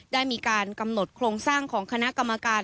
ได้มีการกำหนดโครงสร้างของคณะกรรมการ